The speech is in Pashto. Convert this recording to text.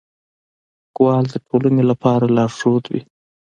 لیکوال د ټولنې لپاره لارښود وي.